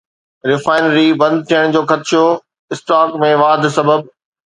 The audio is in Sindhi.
ريفائنري بند ٿيڻ جو خدشو، اسٽاڪ ۾ واڌ سبب